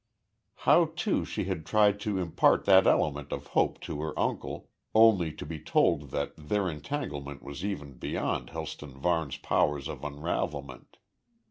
How, too, she had tried to impart that element of hope to her uncle, only to be told that their entanglement was even beyond Helston Varne's powers of unravelment.